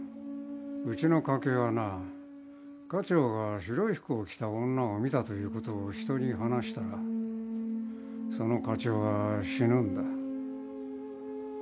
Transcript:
うちの家系はな家長が白い服を着た女を見たということを人に話したらその家長は死ぬんだ。